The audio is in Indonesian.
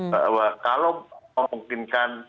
bahwa kalau memungkinkan